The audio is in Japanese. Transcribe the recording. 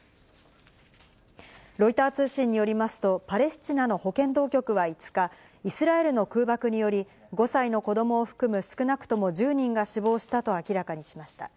ロイター通信によりますと、パレスチナの保健当局は５日、イスラエルの空爆により、５歳の子どもを含む少なくとも１０人が死亡したと明らかにしました。